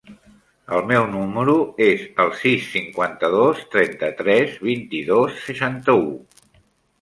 El meu número es el sis, cinquanta-dos, trenta-tres, vint-i-dos, seixanta-u.